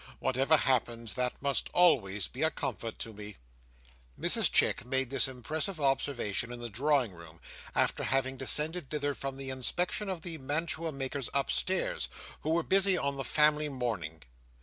Whatever happens, that must always be a comfort to me!" Mrs Chick made this impressive observation in the drawing room, after having descended thither from the inspection of the mantua makers upstairs, who were busy on the family mourning.